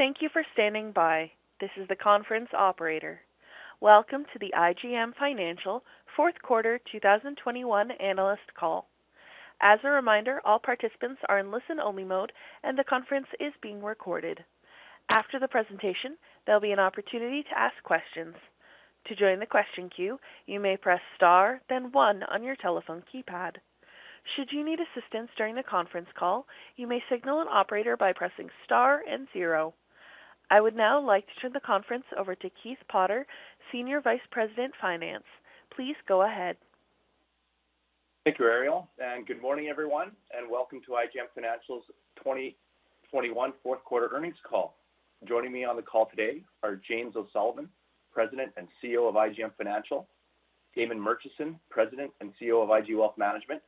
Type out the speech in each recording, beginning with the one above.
Thank you for standing by. This is the conference operator. Welcome to the IGM Financial Fourth Quarter 2021 analyst call. As a reminder, all participants are in listen-only mode, and the conference is being recorded. After the presentation, there'll be an opportunity to ask questions. To join the question queue, you may press star then one on your telephone keypad. Should you need assistance during the conference call, you may signal an operator by pressing star and zero. I would now like to turn the conference over to Keith Potter, Senior Vice President, Finance. Please go ahead. Thank you, Ariel, and good morning, everyone, and welcome to IGM Financial's 2021 fourth quarter earnings call. Joining me on the call today are James O'Sullivan, President and Chief Executive Officer of IGM Financial, Damon Murchison, President and Chief Executive Officer of IG Wealth Management,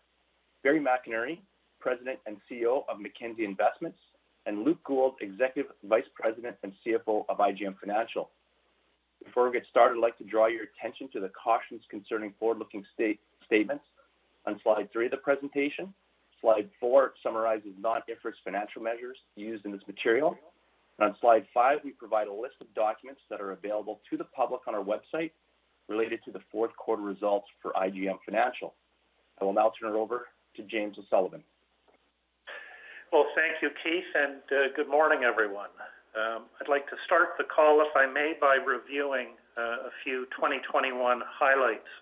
Barry McInerney, President and Chief Executive Officer of Mackenzie Investments, and Luke Gould, Executive Vice President and Chief Financial Officer of IGM Financial. Before we get started, I'd like to draw your attention to the cautions concerning forward-looking statements on slide three of the presentation. Slide four summarizes non-IFRS financial measures used in this material. On slide five, we provide a list of documents that are available to the public on our website related to the fourth quarter results for IGM Financial. I will now turn it over to James O'Sullivan. Well, thank you, Keith, and good morning, everyone. I'd like to start the call, if I may, by reviewing a few 2021 highlights.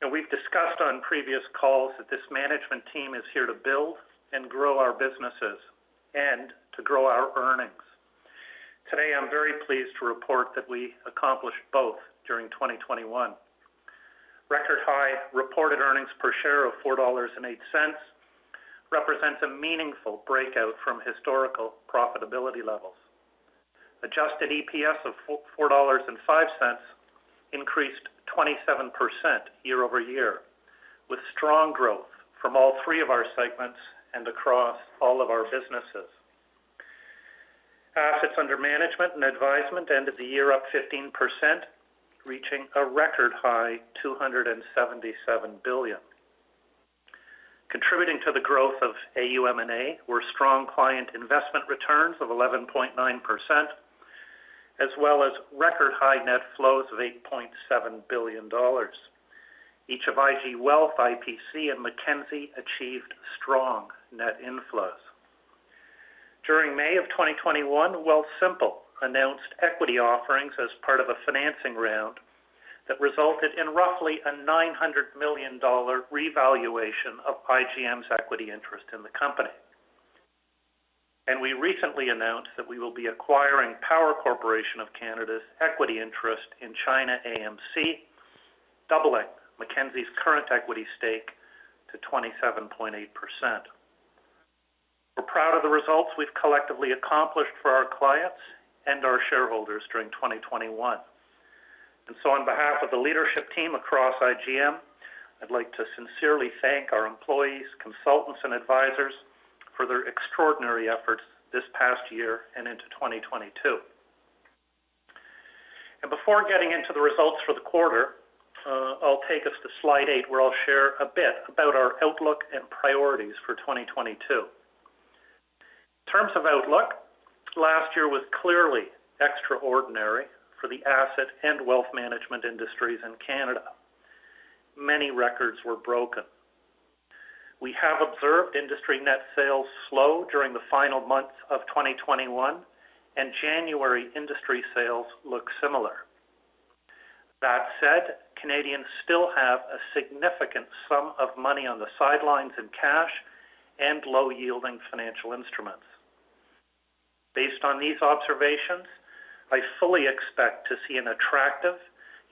Now we've discussed on previous calls that this management team is here to build and grow our businesses and to grow our earnings. Today, I'm very pleased to report that we accomplished both during 2021. Record high reported earnings per share of 4.08 dollars represents a meaningful breakout from historical profitability levels. Adjusted EPS of 4.05 dollars increased 27% year-over-year, with strong growth from all three of our segments and across all of our businesses. Assets under management and advisement ended the year up 15%, reaching a record high 277 billion. Contributing to the growth of AUM&A were strong client investment returns of 11.9%, as well as record high net flows of 8.7 billion dollars. Each of IG Wealth, IPC, and Mackenzie achieved strong net inflows. During May of 2021, Wealthsimple announced equity offerings as part of a financing round that resulted in roughly a 900 million dollar revaluation of IGM's equity interest in the company. We recently announced that we will be acquiring Power Corporation of Canada's equity interest in China AMC, doubling Mackenzie's current equity stake to 27.8%. We're proud of the results we've collectively accomplished for our clients and our shareholders during 2021. On behalf of the leadership team across IGM, I'd like to sincerely thank our employees, consultants, and advisors for their extraordinary efforts this past year and into 2022. Before getting into the results for the quarter, I'll take us to slide eight, where I'll share a bit about our outlook and priorities for 2022. In terms of outlook, last year was clearly extraordinary for the asset and wealth management industries in Canada. Many records were broken. We have observed industry net sales slow during the final months of 2021, and January industry sales look similar. That said, Canadians still have a significant sum of money on the sidelines in cash and low-yielding financial instruments. Based on these observations, I fully expect to see an attractive,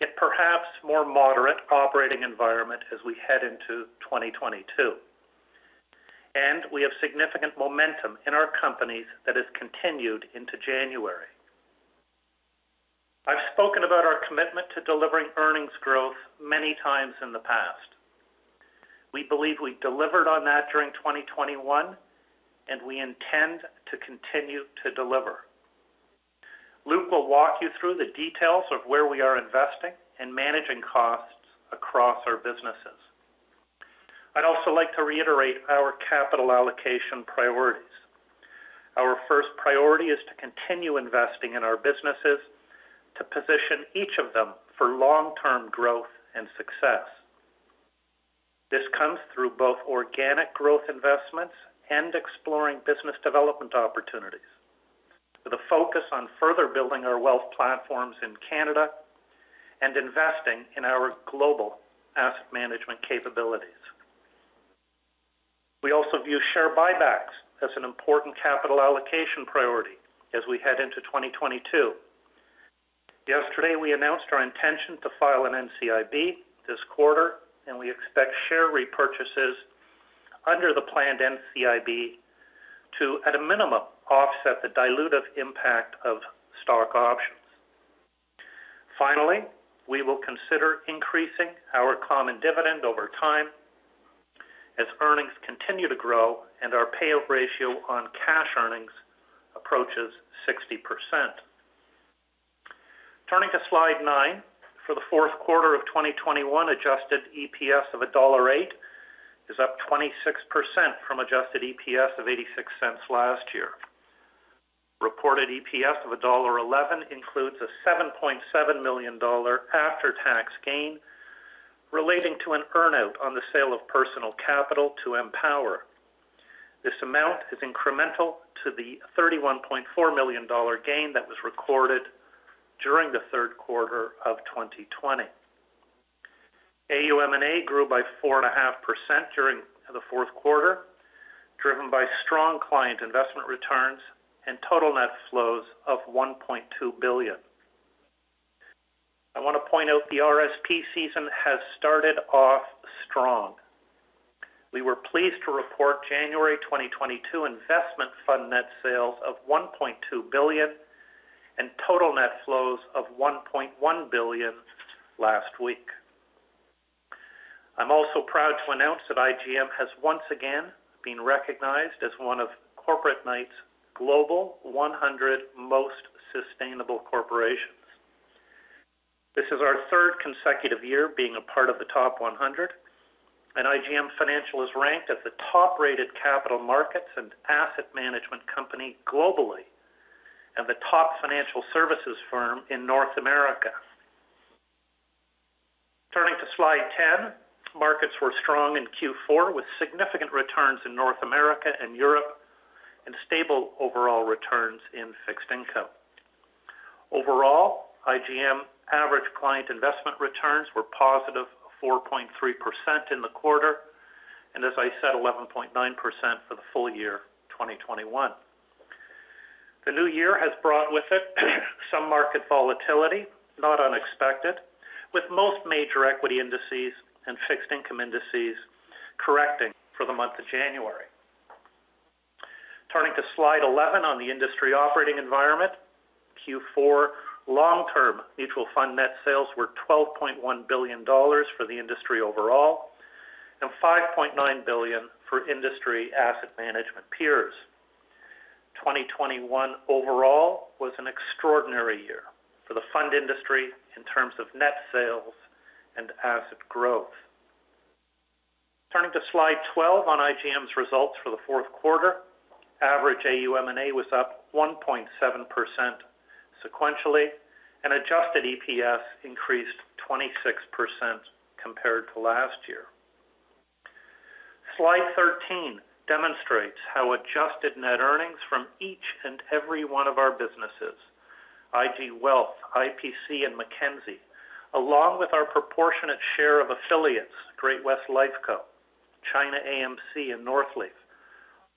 yet perhaps more moderate operating environment as we head into 2022. We have significant momentum in our companies that has continued into January. I've spoken about our commitment to delivering earnings growth many times in the past. We believe we delivered on that during 2021, and we intend to continue to deliver. Luke will walk you through the details of where we are investing and managing costs across our businesses. I'd also like to reiterate our capital allocation priorities. Our first priority is to continue investing in our businesses to position each of them for long-term growth and success. This comes through both organic growth investments and exploring business development opportunities, with a focus on further building our wealth platforms in Canada and investing in our global asset management capabilities. We also view share buybacks as an important capital allocation priority as we head into 2022. Yesterday, we announced our intention to file an NCIB this quarter, and we expect share repurchases under the planned NCIB to, at a minimum, offset the dilutive impact of stock options. Finally, we will consider increasing our common dividend over time as earnings continue to grow and our payout ratio on cash earnings approaches 60%. Turning to slide nine. For the fourth quarter of 2021, adjusted EPS of dollar 1.08 is up 26% from adjusted EPS of 0.86 last year. Reported EPS of dollar 1.11 includes a 7.7 million dollar after-tax gain relating to an earn-out on the sale of Personal Capital to Empower. This amount is incremental to the 31.4 million dollar gain that was recorded during the third quarter of 2020. AUM&A grew by 4.5% during the fourth quarter, driven by strong client investment returns and total net flows of 1.2 billion. I want to point out the RSP season has started off strong. We were pleased to report January 2022 investment fund net sales of 1.2 billion and total net flows of 1.1 billion last week. I'm also proud to announce that IGM has once again been recognized as one of Corporate Knights Global 100 Most Sustainable Corporations. This is our third consecutive year being a part of the top 100, and IGM Financial is ranked as the top-rated capital markets and asset management company globally and the top financial services firm in North America. Turning to Slide 10. Markets were strong in Q4 with significant returns in North America and Europe and stable overall returns in fixed income. Overall, IGM average client investment returns were positive 4.3% in the quarter and as I said, 11.9% for the full year 2021. The new year has brought with it some market volatility, not unexpected, with most major equity indices and fixed income indices correcting for the month of January. Turning to Slide 11 on the industry operating environment. Q4 long-term mutual fund net sales were 12.1 billion dollars for the industry overall, and 5.9 billion for industry asset management peers. 2021 overall was an extraordinary year for the fund industry in terms of net sales and asset growth. Turning to Slide 12 on IGM's results for the fourth quarter. Average AUM&A was up 1.7% sequentially, and adjusted EPS increased 26% compared to last year. Slide 13 demonstrates how adjusted net earnings from each and every one of our businesses, IG Wealth, IPC, and Mackenzie, along with our proportionate share of affiliates, Great-West Lifeco, China AMC, and Northleaf,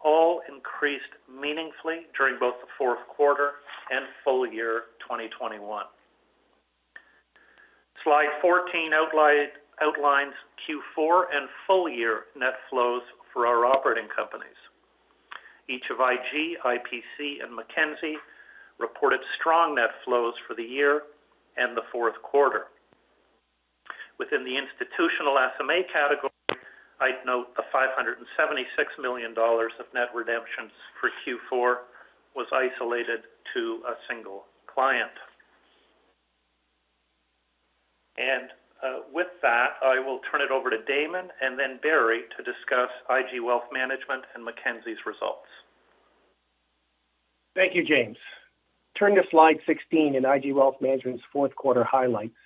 all increased meaningfully during both the fourth quarter and full year 2021. Slide 14 outlines Q4 and full year net flows for our operating companies. Each of IG, IPC, and Mackenzie reported strong net flows for the year and the fourth quarter. Within the institutional SMA category, I'd note the 576 million dollars of net redemptions for Q4 was isolated to a single client. With that, I will turn it over to Damon and then Barry to discuss IG Wealth Management and Mackenzie's results. Thank you, James. Turn to Slide 16 in IG Wealth Management's fourth quarter highlights.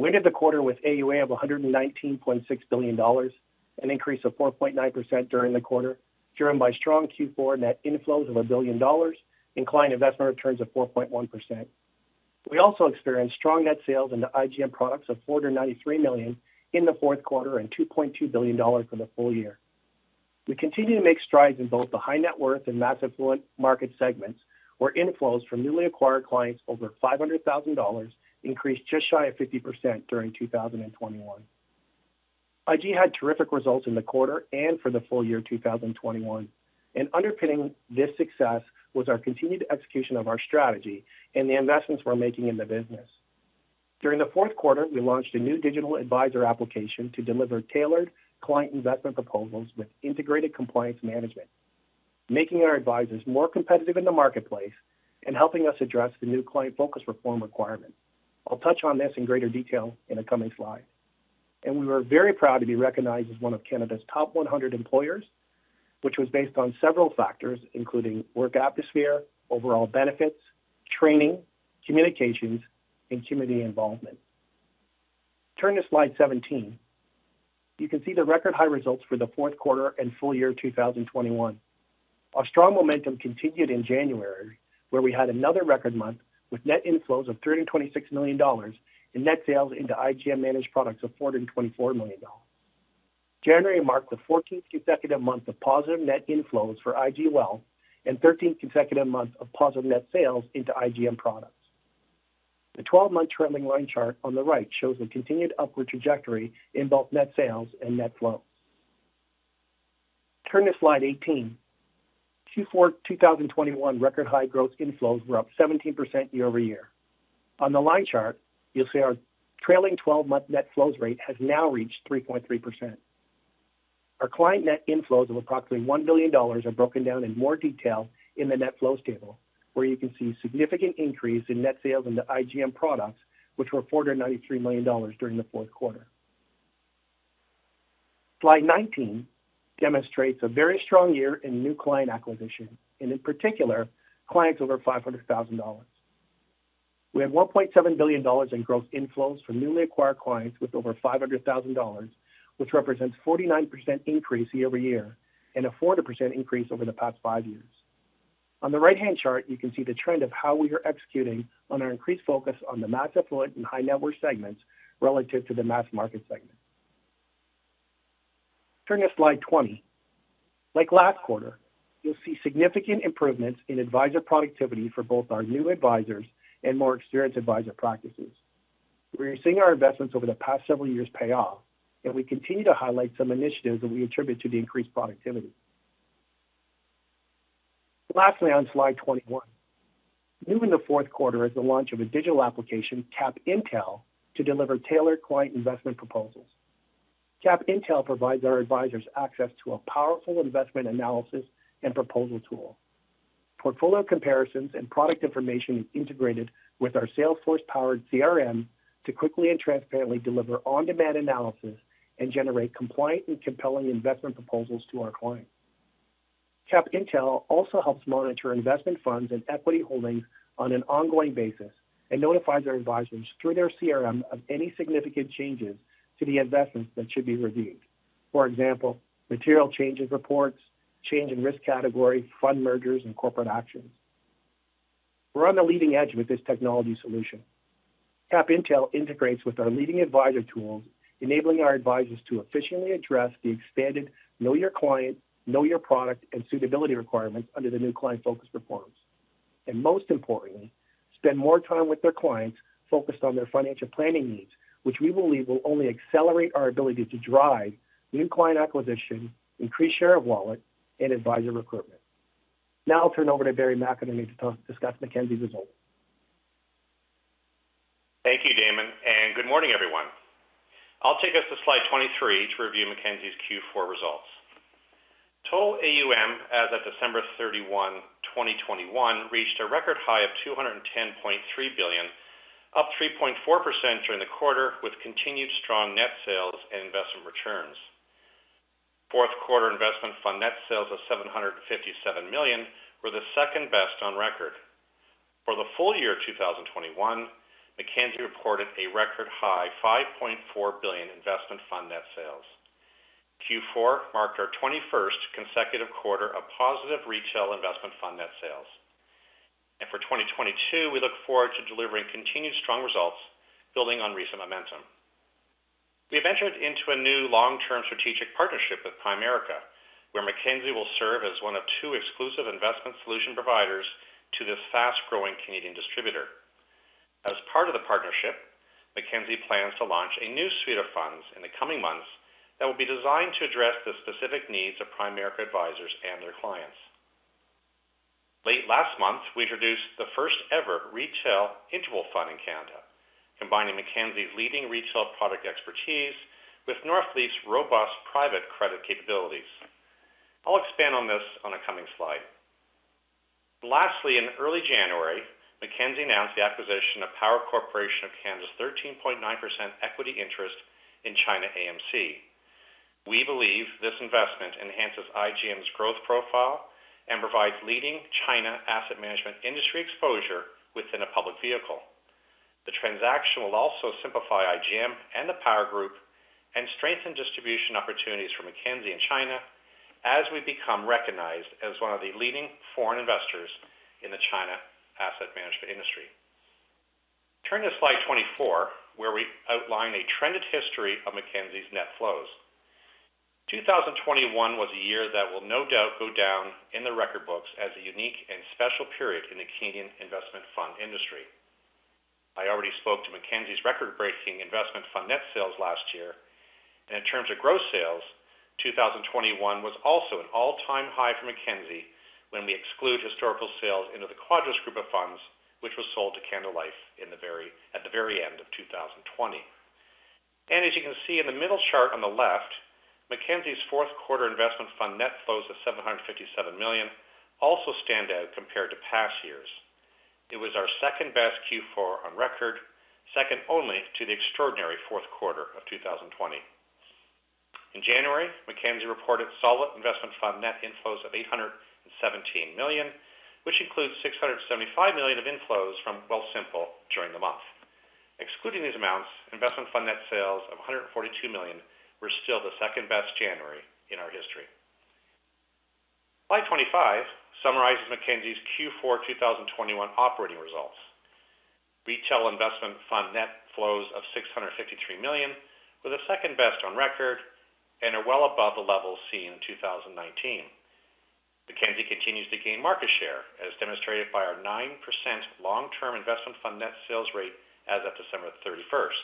We ended the quarter with AUA of 119.6 billion dollars, an increase of 4.9% during the quarter, driven by strong Q4 net inflows of 1 billion dollars and client investment returns of 4.1%. We also experienced strong net sales into IGM products of 493 million in the fourth quarter and 2.2 billion dollars for the full year. We continue to make strides in both the high net worth and mass affluent market segments, where inflows from newly acquired clients over 500,000 dollars increased just shy of 50% during 2021. IG had terrific results in the quarter and for the full year 2021, and underpinning this success was our continued execution of our strategy and the investments we're making in the business. During the fourth quarter, we launched a new digital advisor application to deliver tailored client investment proposals with integrated compliance management, making our advisors more competitive in the marketplace and helping us address the new Client Focused Reforms requirement. I'll touch on this in greater detail in a coming slide. We were very proud to be recognized as one of Canada's top 100 employers, which was based on several factors including work atmosphere, overall benefits, training, communications, and community involvement. Turn to Slide 17. You can see the record high results for the fourth quarter and full year 2021. Our strong momentum continued in January, where we had another record month with net inflows of 326 million dollars and net sales into IGM Managed Products of 424 million dollars. January marked the 14th consecutive month of positive net inflows for IG Wealth and 13th consecutive month of positive net sales into IGM products. The 12-month trailing line chart on the right shows a continued upward trajectory in both net sales and net flows. Turn to Slide 18. Q4 2021 record high growth inflows were up 17% year-over-year. On the line chart, you'll see our trailing twelve-month net flows rate has now reached 3.3%. Our client net inflows of approximately 1 billion dollars are broken down in more detail in the net flows table, where you can see significant increase in net sales into IGM products, which were 493 million dollars during the fourth quarter. Slide 19 demonstrates a very strong year in new client acquisition and in particular, clients over 500,000 dollars. We have 1.7 billion dollars in gross inflows from newly acquired clients with over 500,000 dollars, which represents 49% increase year-over-year and a 40% increase over the past five years. On the right-hand chart, you can see the trend of how we are executing on our increased focus on the mass affluent and high net worth segments relative to the mass market segment. Turn to Slide 20. Like last quarter, you'll see significant improvements in advisor productivity for both our new advisors and more experienced advisor practices. We are seeing our investments over the past several years pay off, and we continue to highlight some initiatives that we attribute to the increased productivity. Lastly, on Slide 21, new in the fourth quarter is the launch of a digital application, CapIntel, to deliver tailored client investment proposals. CapIntel provides our advisors access to a powerful investment analysis and proposal tool. Portfolio comparisons and product information is integrated with our Salesforce-powered CRM to quickly and transparently deliver on-demand analysis and generate compliant and compelling investment proposals to our clients. CapIntel also helps monitor investment funds and equity holdings on an ongoing basis and notifies our advisors through their CRM of any significant changes to the investments that should be reviewed. For example, material changes reports, change in risk category, fund mergers, and corporate actions. We're on the leading edge with this technology solution. CapIntel integrates with our leading advisor tools, enabling our advisors to efficiently address the expanded know your client, know your product, and suitability requirements under the new Client-Focused Reforms. Most importantly, spend more time with their clients focused on their financial planning needs, which we believe will only accelerate our ability to drive new client acquisition, increase share of wallet, and advisor recruitment. Now I'll turn over to Barry McInerney to discuss Mackenzie's results. Thank you, Damon, and good morning, everyone. I'll take us to Slide 23 to review Mackenzie's Q4 results. Total AUM as of December 31st, 2021, reached a record high of 210.3 billion, up 3.4% during the quarter with continued strong net sales and investment returns. Fourth quarter investment fund net sales of 757 million were the second best on record. For the full year of 2021, Mackenzie reported a record-high 5.4 billion investment fund net sales. Q4 marked our 21st consecutive quarter of positive retail investment fund net sales. For 2022, we look forward to delivering continued strong results building on recent momentum. We have entered into a new long-term strategic partnership with Primerica, where Mackenzie will serve as one of two exclusive investment solution providers to this fast-growing Canadian distributor. As part of the partnership, Mackenzie plans to launch a new suite of funds in the coming months that will be designed to address the specific needs of Primerica advisors and their clients. Late last month, we introduced the first-ever retail interval fund in Canada, combining Mackenzie's leading retail product expertise with Northleaf's robust private credit capabilities. I'll expand on this on a coming slide. Lastly, in early January, Mackenzie announced the acquisition of Power Corporation of Canada's 13.9% equity interest in China AMC. We believe this investment enhances IGM's growth profile and provides leading China asset management industry exposure within a public vehicle. The transaction will also simplify IGM and the Power Group and strengthen distribution opportunities for Mackenzie in China as we become recognized as one of the leading foreign investors in the China asset management industry. Turn to Slide 24, where we outline a trended history of Mackenzie's net flows. 2021 was a year that will no doubt go down in the record books as a unique and special period in the Canadian investment fund industry. I already spoke to Mackenzie's record-breaking investment fund net sales last year. In terms of gross sales, 2021 was also an all-time high for Mackenzie when we exclude historical sales into the Quadrus group of funds, which was sold to Canada Life at the very end of 2020. As you can see in the middle chart on the left, Mackenzie's fourth quarter investment fund net flows of 757 million also stand out compared to past years. It was our second-best Q4 on record, second only to the extraordinary fourth quarter of 2020. In January, Mackenzie reported solid investment fund net inflows of 817 million, which includes 675 million of inflows from Wealthsimple during the month. Excluding these amounts, investment fund net sales of 142 million were still the second-best January in our history. Slide 25 summarizes Mackenzie's Q4 2021 operating results. Retail investment fund net flows of 653 million were the second best on record and are well above the levels seen in 2019. Mackenzie continues to gain market share, as demonstrated by our 9% long-term investment fund net sales rate as of December 31st.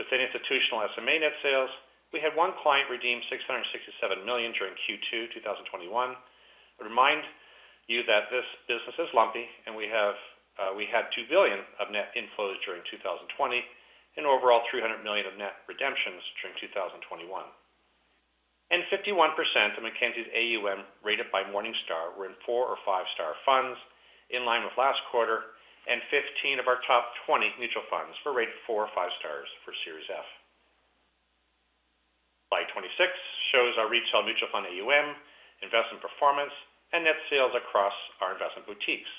Within institutional SMA net sales, we had one client redeem 667 million during Q2 2021. A reminder that this business is lumpy, and we had 2 billion of net inflows during 2020, and overall 300 million of net redemptions during 2021. 51% of Mackenzie's AUM rated by Morningstar were in four- or five-star funds, in line with last quarter, and 15 mutual funds of our top 20 mutual funds were rated four stars or five stars for Series F. Slide 26 shows our retail mutual fund AUM, investment performance, and net sales across our investment boutiques.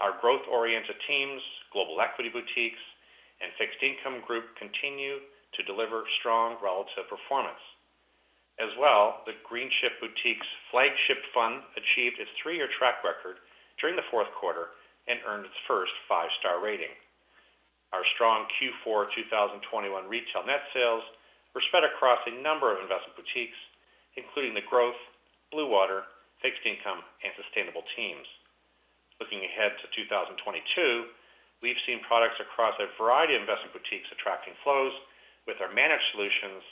Our growth-oriented teams, global equity boutiques, and fixed income group continue to deliver strong relative performance. As well, the Greenchip Boutique's flagship fund achieved its three-year track record during the fourth quarter and earned its first five-star rating. Our strong Q4 2021 retail net sales were spread across a number of investment boutiques, including the growth, Bluewater, fixed income, and sustainable teams. Looking ahead to 2022, we've seen products across a variety of investment boutiques attracting flows with our managed solutions,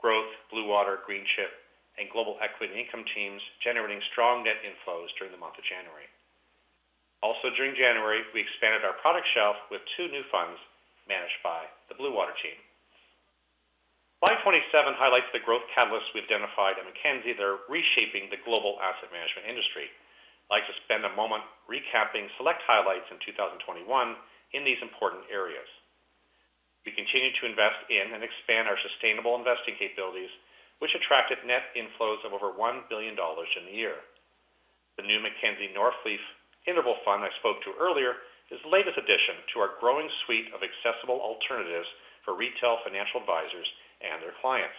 growth, Bluewater, Greenchip, and global equity and income teams generating strong net inflows during the month of January. Also during January, we expanded our product shelf with two new funds managed by the Bluewater team. Slide 27 highlights the growth catalysts we've identified at Mackenzie that are reshaping the global asset management industry. I'd like to spend a moment recapping select highlights in 2021 in these important areas. We continue to invest in and expand our sustainable investing capabilities, which attracted net inflows of over 1 billion dollars in the year. The new Mackenzie Northleaf Interval Fund I spoke to earlier is the latest addition to our growing suite of accessible alternatives for retail financial advisors and their clients.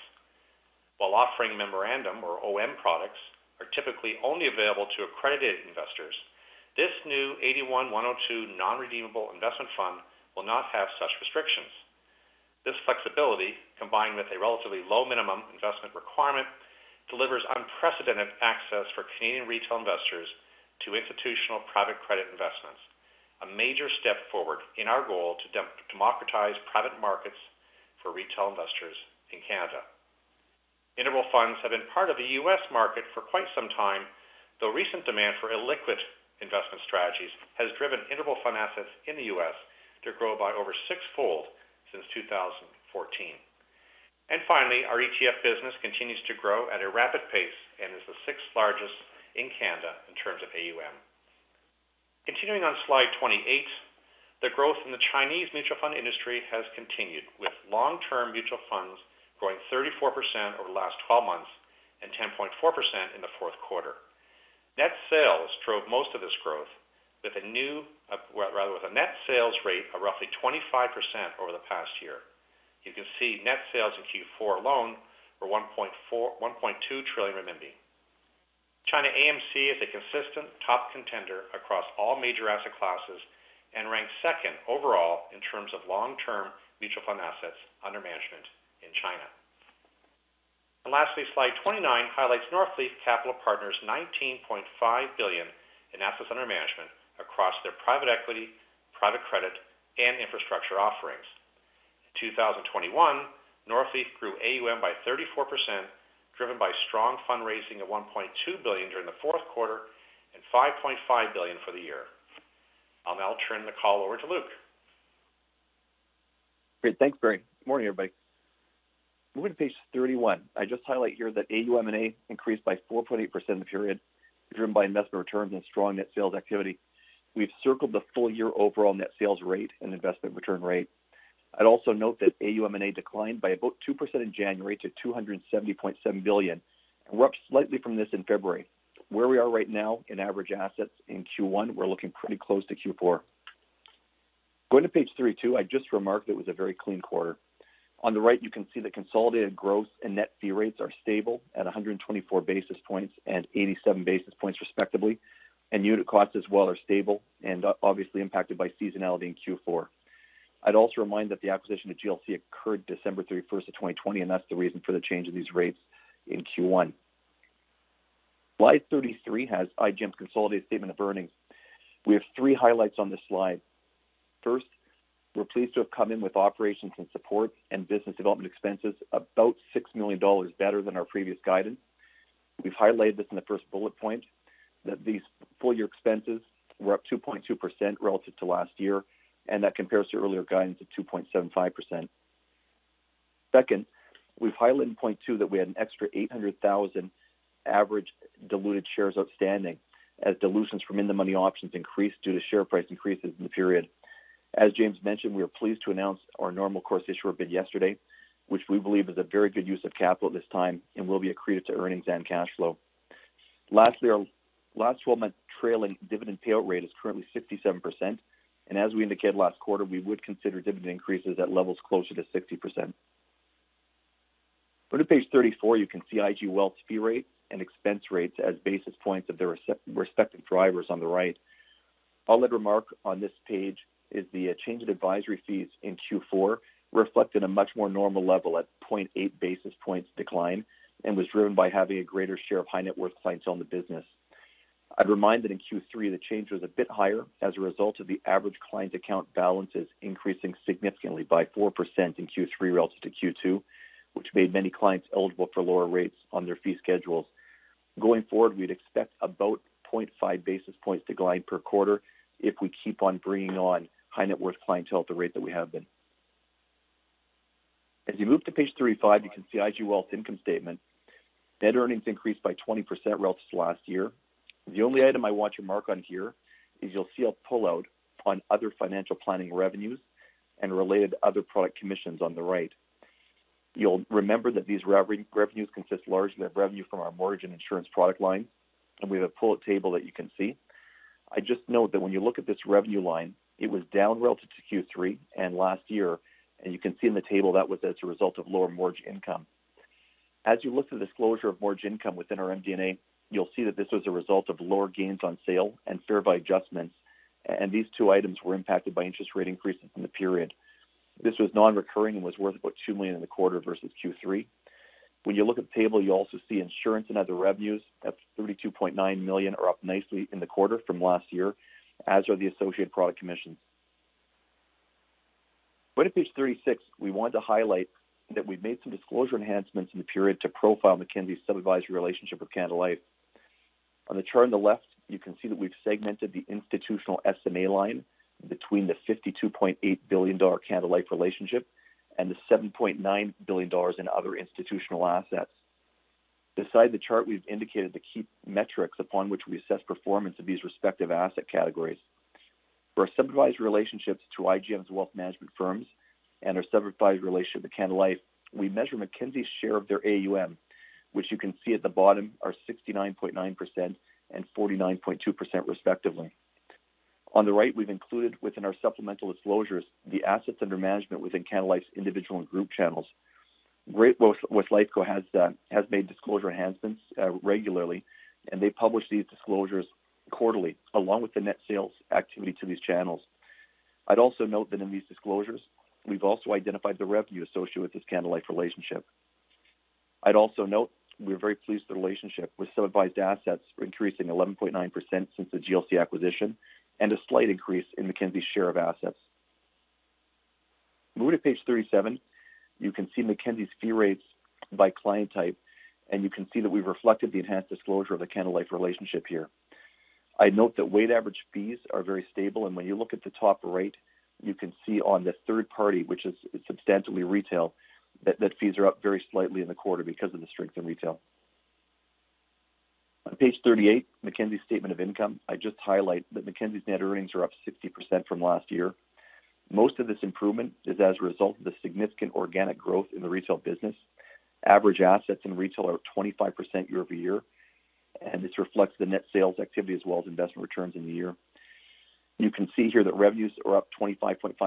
While offering memorandum or OM products are typically only available to accredited investors, this new NI 81-102 non-redeemable investment fund will not have such restrictions. This flexibility, combined with a relatively low minimum investment requirement, delivers unprecedented access for Canadian retail investors to institutional private credit investments, a major step forward in our goal to democratize private markets for retail investors in Canada. Interval funds have been part of the U.S. market for quite some time, though recent demand for illiquid investment strategies has driven interval fund assets in the U.S. to grow by over sixfold since 2014. Finally, our ETF business continues to grow at a rapid pace and is the sixth largest in Canada in terms of AUM. Continuing on Slide 28, the growth in the Chinese mutual fund industry has continued, with long-term mutual funds growing 34% over the last 12 months and 10.4% in the fourth quarter. Net sales drove most of this growth with a net sales rate of roughly 25% over the past year. You can see net sales in Q4 alone were 1.2 trillion renminbi. China AMC is a consistent top contender across all major asset classes and ranks second overall in terms of long-term mutual fund assets under management in China. Lastly, Slide 29 highlights Northleaf Capital Partners' 19.5 billion in assets under management across their private equity, private credit, and infrastructure offerings. In 2021, Northleaf grew AUM by 34%, driven by strong fundraising of 1.2 billion during the fourth quarter and 5.5 billion for the year. I'll now turn the call over to Luke. Great. Thanks, Barry. Good morning, everybody. Moving to page 31. I just highlight here that AUM&A increased by 4.8% in the period, driven by investment returns and strong net sales activity. We've circled the full-year overall net sales rate and investment return rate. I'd also note that AUM&A declined by about 2% in January to 270.7 billion, and we're up slightly from this in February. Where we are right now in average assets in Q1, we're looking pretty close to Q4. Going to page 32, I just remarked it was a very clean quarter. On the right, you can see the consolidated gross and net fee rates are stable at 124 basis points and 87 basis points respectively, and unit costs as well are stable and obviously impacted by seasonality in Q4. I'd also remind that the acquisition of GLC occurred December 31st, 2020, and that's the reason for the change in these rates in Q1. Slide 33 has IGM's consolidated statement of earnings. We have three highlights on this slide. First, we're pleased to have come in with operations and support and business development expenses about 6 million dollars better than our previous guidance. We've highlighted this in the first bullet point, that these full-year expenses were up 2.2% relative to last year, and that compares to earlier guidance of 2.75%. Second, we've highlighted in point two that we had an extra 800,000 average diluted shares outstanding as dilutions from in-the-money options increased due to share price increases in the period. As James mentioned, we are pleased to announce our normal course issuer bid yesterday, which we believe is a very good use of capital at this time and will be accretive to earnings and cash flow. Lastly, our last 12-month trailing dividend payout rate is currently 67%, and as we indicated last quarter, we would consider dividend increases at levels closer to 60%. Going to page 34, you can see IG Wealth's fee rates and expense rates as basis points of their respective drivers on the right. I'll add remark on this page is the change in advisory fees in Q4 reflected a much more normal level at 0.8 basis points decline and was driven by having a greater share of high net worth clients on the business. I'd remind that in Q3, the change was a bit higher as a result of the average client account balances increasing significantly by 4% in Q3 relative to Q2, which made many clients eligible for lower rates on their fee schedules. Going forward, we'd expect about 0.5 basis points decline per quarter if we keep on bringing on high net worth clientele at the rate that we have been. As you move to page 35, you can see IG Wealth income statement. Net earnings increased by 20% relative to last year. The only item I want you to mark on here is you'll see a pull-out on other financial planning revenues and related other product commissions on the right. You'll remember that these recurring revenues consist largely of revenue from our mortgage and insurance product line, and we have a pull-out table that you can see. I just note that when you look at this revenue line, it was down relative to Q3 and last year. You can see in the table that was as a result of lower mortgage income. As you look to the disclosure of mortgage income within our MD&A, you'll see that this was a result of lower gains on sale and fair value adjustments, and these two items were impacted by interest rate increases in the period. This was non-recurring and was worth about 2 million in the quarter versus Q3. When you look at the table, you also see insurance and other revenues at 32.9 million are up nicely in the quarter from last year, as are the associated product commissions. Going to page 36, we want to highlight that we've made some disclosure enhancements in the period to profile Mackenzie's sub-advisory relationship with Canada Life. On the chart on the left, you can see that we've segmented the institutional SMA line between the 52.8 billion dollar Canada Life relationship and the 7.9 billion dollars in other institutional assets. Beside the chart, we've indicated the key metrics upon which we assess performance of these respective asset categories. For our sub-advised relationships through IGM's wealth management firms and our sub-advised relationship with Canada Life, we measure Mackenzie's share of their AUM, which you can see at the bottom are 69.9% and 49.2% respectively. On the right, we've included within our supplemental disclosures the assets under management within Canada Life's individual and group channels. Great-West Lifeco has made disclosure enhancements regularly, and they publish these disclosures quarterly along with the net sales activity to these channels. I'd also note that in these disclosures, we've also identified the revenue associated with this Canada Life relationship. I'd also note we're very pleased the relationship with sub-advised assets are increasing 11.9% since the GLC acquisition and a slight increase in Mackenzie's share of assets. Moving to page 37, you can see Mackenzie's fee rates by client type, and you can see that we've reflected the enhanced disclosure of the Canada Life relationship here. I'd note that weighted average fees are very stable, and when you look at the top right, you can see on the third party, which is substantially retail, that fees are up very slightly in the quarter because of the strength in retail. On page 38, Mackenzie's statement of income. I just highlight that Mackenzie's net earnings are up 60% from last year. Most of this improvement is as a result of the significant organic growth in the retail business. Average assets in retail are 25% year-over-year, and this reflects the net sales activity as well as investment returns in the year. You can see here that revenues are up 25.5%,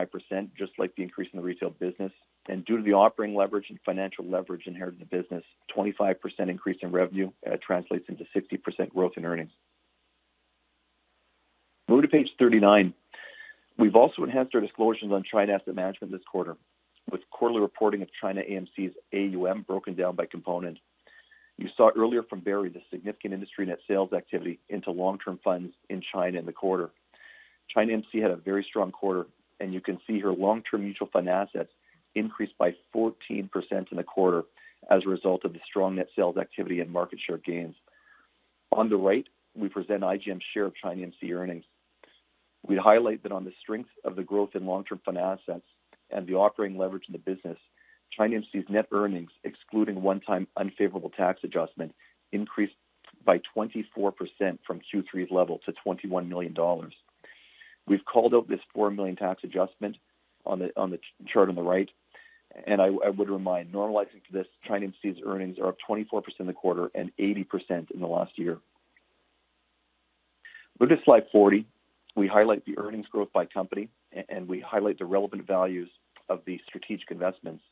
just like the increase in the retail business. Due to the operating leverage and financial leverage inherent in the business, 25% increase in revenue translates into 60% growth in earnings. Moving to page 39. We've also enhanced our disclosures on China Asset Management this quarter with quarterly reporting of China AMC's AUM broken down by component. You saw earlier from Barry the significant industry net sales activity into long-term funds in China in the quarter. China AMC had a very strong quarter, and you can see here long-term mutual fund assets increased by 14% in the quarter as a result of the strong net sales activity and market share gains. On the right, we present IGM's share of China AMC earnings. We'd highlight that on the strength of the growth in long-term fund assets and the operating leverage in the business, China AMC's net earnings, excluding one-time unfavorable tax adjustment, increased by 24% from Q3's level to 21 million dollars. We've called out this 4 million tax adjustment on the chart on the right, and I would remind normalizing for this, China AMC's earnings are up 24% in the quarter and 80% in the last year. Moving to Slide 40. We highlight the earnings growth by company and we highlight the relevant values of these strategic investments.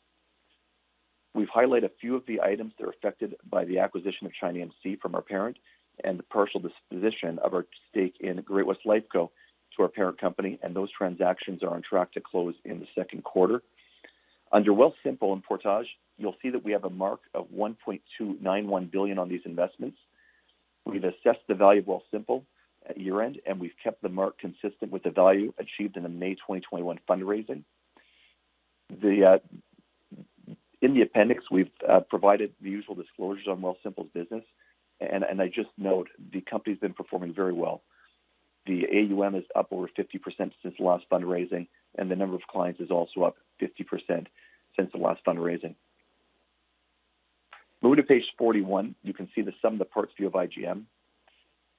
We've highlighted a few of the items that are affected by the acquisition of China AMC from our parent and the partial disposition of our stake in Great-West Lifeco to our parent company, and those transactions are on track to close in the second quarter. Under Wealthsimple and Portage, you'll see that we have a mark of 1.291 billion on these investments. We've assessed the value of Wealthsimple at year-end, and we've kept the mark consistent with the value achieved in the May 2021 fundraising. Then in the appendix, we've provided the usual disclosures on Wealthsimple's business. I just note the company's been performing very well. The AUM is up over 50% since the last fundraising, and the number of clients is also up 50% since the last fundraising. Moving to page 41, you can see the sum of the parts view of IGM.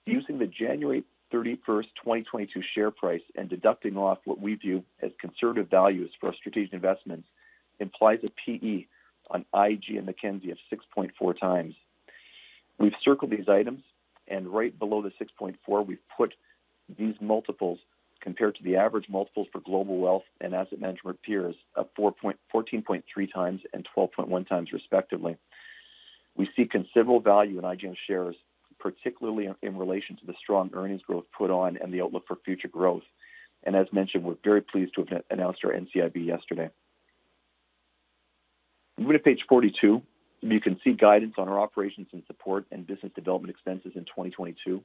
Using the January 31st, 2022 share price and deducting off what we view as conservative values for our strategic investments implies a P/E on IG and Mackenzie of 6.4x. We've circled these items, and right below the 6.4x, we've put these multiples compared to the average multiples for global wealth and asset management peers of 14.3x and 12.1x respectively. We see considerable value in IGM's shares, particularly in relation to the strong earnings growth put on and the outlook for future growth. As mentioned, we're very pleased to have announced our NCIB yesterday. Moving to page 42, you can see guidance on our operations and support and business development expenses in 2022.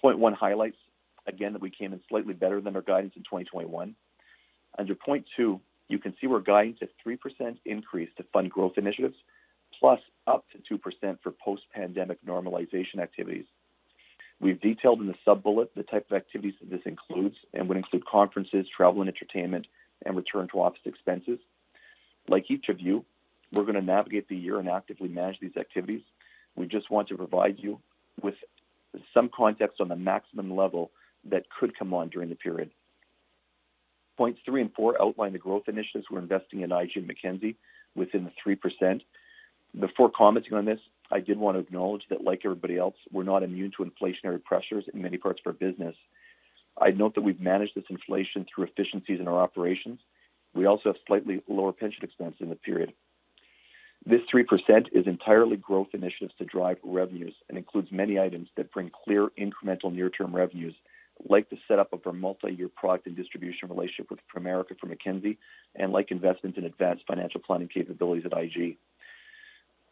Point one highlights again that we came in slightly better than our guidance in 2021. Under point two, you can see we're guiding to 3% increase to fund growth initiatives plus up to 2% for post-pandemic normalization activities. We've detailed in the sub-bullet the type of activities that this includes and would include conferences, travel and entertainment, and return to office expenses. Like each of you, we're going to navigate the year and actively manage these activities. We just want to provide you with some context on the maximum level that could come on during the period. Points three and points four outline the growth initiatives we're investing in IG and Mackenzie within the 3%. Before commenting on this, I did want to acknowledge that like everybody else, we're not immune to inflationary pressures in many parts of our business. I'd note that we've managed this inflation through efficiencies in our operations. We also have slightly lower pension expense in the period. This 3% is entirely growth initiatives to drive revenues and includes many items that bring clear incremental near-term revenues, like the set up of our multi-year product and distribution relationship with Primerica for Mackenzie, and like investments in advanced financial planning capabilities at IG.